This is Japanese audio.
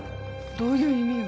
どういう意味よ？